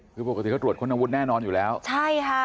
คือปกติเขาตรวจค้นอาวุธแน่นอนอยู่แล้วใช่ค่ะ